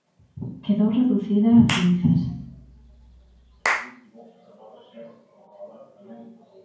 Quedou reducida a cinzas.